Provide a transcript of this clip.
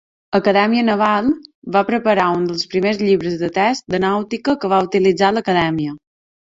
Acadèmia Naval, va preparar un dels primers llibres de text de nàutica que va utilitzar l'Acadèmia.